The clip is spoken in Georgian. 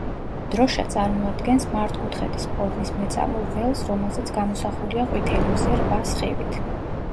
დროშა წარმოადგენს მართკუთხედის ფორმის მეწამულ ველს, რომელზეც გამოსახულია ყვითელი მზე რვა სხივით.